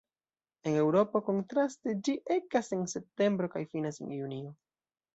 En Eŭropo, kontraste, ĝi ekas en septembro kaj finas en junio.